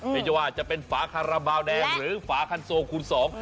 ไม่ใช่ว่าจะเป็นฝาคาราบาลแดงหรือฝาคันโซคูณสอง